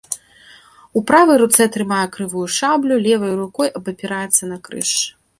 У правай руцэ трымае крывую шаблю, левай рукой абапіраецца на крыж.